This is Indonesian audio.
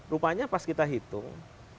rupanya pas kita hitung